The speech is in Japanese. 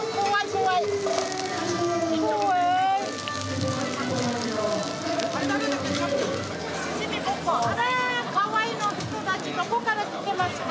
怖い！あらかわいい人たちどこから来てますか？